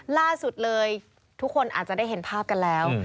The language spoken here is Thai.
ล่าสุดเลยทุกคนอาจจะได้เห็นภาพกันแล้ว